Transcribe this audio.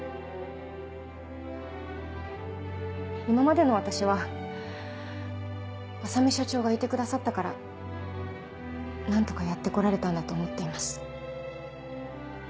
今までの私は浅海社長がいてくださったから何とかやって来られたんだと思っています。